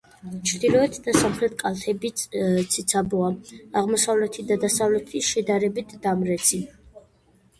ჩრდილოეთ და სამხრეთ კალთები ციცაბოა, აღმოსავლეთი და დასავლეთი შედარებით დამრეცი.